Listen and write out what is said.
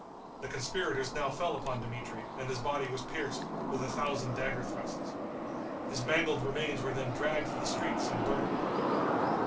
The conspirators now fell upon Dmitri and his body was pierced with a thousand dagger thrusts. His mangled remains were then dragged through the streets and burned.